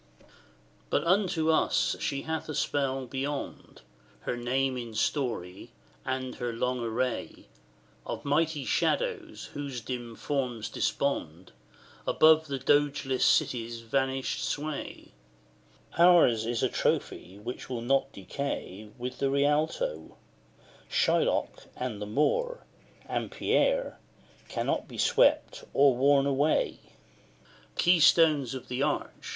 IV. But unto us she hath a spell beyond Her name in story, and her long array Of mighty shadows, whose dim forms despond Above the dogeless city's vanished sway; Ours is a trophy which will not decay With the Rialto; Shylock and the Moor, And Pierre, cannot be swept or worn away The keystones of the arch!